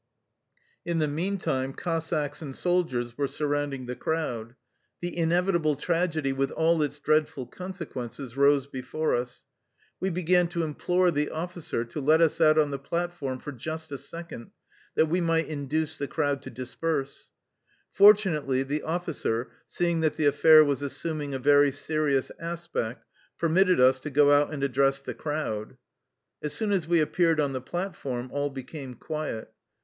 In the meantime Cossacks and soldiers were surrounding the crowd. The inevitable tragedy with all its dreadful consequences rose before us. We began to implore the officer to let us out on the platform for just a second, that we might induce the crowd to disperse. Fortu nately the officer, seeing that the affair was as suming a very serious aspect, permitted us to go out and address the crowd. As soon as we appeared on the platform all became quiet.